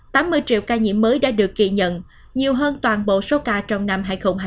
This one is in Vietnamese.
tám mươi triệu ca nhiễm mới đã được kỳ nhận nhiều hơn toàn bộ số ca trong năm hai nghìn hai mươi ba